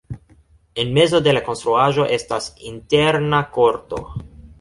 En mezo de la konstruaĵo estas interna korto.